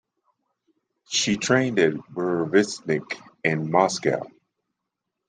She trained at Burevestnik in Moscow.